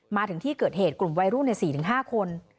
มาถึงที่เกิดเหตุกลุ่มวัยรุ่น๔๕คน